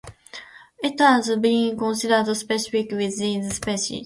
It has been considered conspecific with these species.